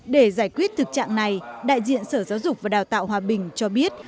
để giải quyết thực trạng này đại diện sở giáo dục và đào tạo hòa bình cho biết